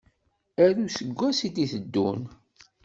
Ar useggas i d-iteddun.